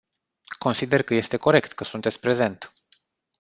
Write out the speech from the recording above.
Consider că este corect că sunteți prezent.